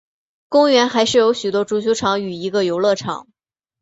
公园还设有许多足球场与一个游乐场。